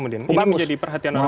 ini menjadi perhatian orang